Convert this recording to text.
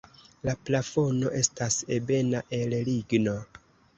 La plafono estas ebena el ligno.